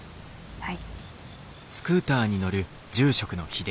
はい。